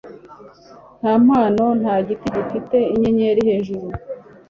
nta mpano, nta giti gifite inyenyeri hejuru